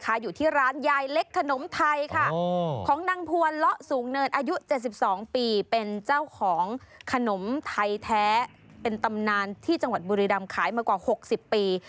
อยู่ที่ร้านยายเล็กขนมไทยค่ะของนางพวนละสูงเนินอายุ๗๒ปีเป็นเจ้าของขนมไทยแท้เป็นตำนานที่จังหวัดบุรีรำขายมากว่า๖๐ปี